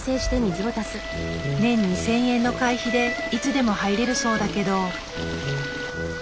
年２，０００円の会費でいつでも入れるそうだけど。